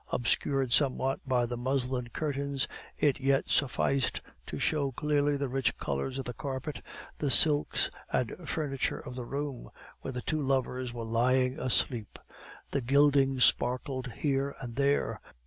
Obscured somewhat by the muslin curtains, it yet sufficed to show clearly the rich colors of the carpet, the silks and furniture of the room, where the two lovers were lying asleep. The gilding sparkled here and there.